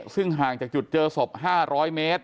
ซึ่งห่างจากจุดเจอศพ๕๐๐เมตร